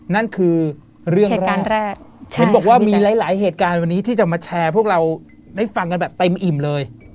นั่นคือเรื่องแรกเห็นบอกว่ามีหลายหลายเหตุการณ์วันนี้ที่จะมาแชร์พวกเราได้ฟังกันแบบเต็มอิ่มเลย